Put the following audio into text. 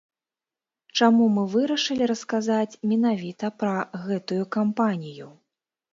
Чаму мы вырашылі расказаць менавіта пра гэтую кампанію?